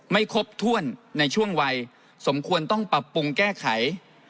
ไม่ครบถ้วนในช่วงวัยสมควรต้องปรับปรุงแก้ไข